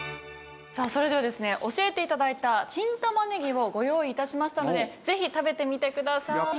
さあそれではですね教えて頂いたチン玉ねぎをご用意致しましたのでぜひ食べてみてください。